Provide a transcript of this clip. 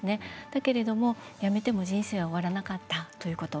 だけれども、やめても人生は終わらなかったということ。